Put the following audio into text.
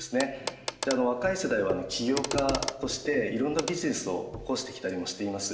若い世代は企業家としていろんなビジネスを起こしてきたりもしています。